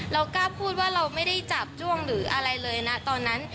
เรากล้าพูดว่าเราไม่ได้จับจ้วงหรืออะไรเลยนะตอนนั้น